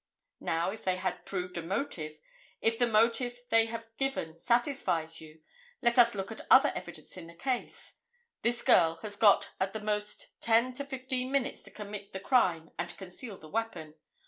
Now, if they had proved a motive, if the motive they have given satisfies you, let us look at other evidence in the case. This girl has got at the most ten to fifteen minutes to commit the crime and conceal the weapon.